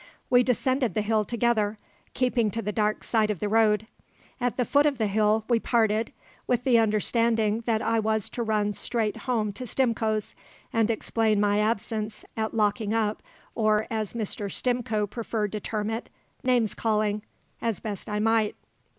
We descended the hill together, keeping to the dark side of the road. At the foot of the hill we parted, with the understanding that I was to run straight home to Stimcoe's, and explain my absence at locking up or, as Mr. Stimcoe preferred to term it, "names calling" as best I might.